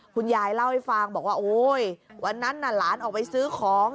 คุณยายเล่าให้ฟังบอกว่าโอ๊ยวันนั้นน่ะหลานออกไปซื้อของ